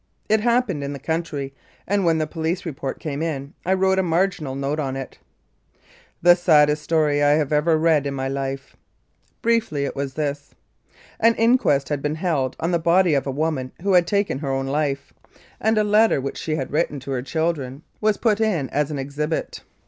It happened in the country, and when the police report came in I wrote a marginal note on it : "The saddest story I have ever read in my life." Briefly it was this : An inquest had been held on the body of a woman who had taken her own life, and a letter which 118 I 1906 14. Calgary she had written to her children was put in as an exhibit.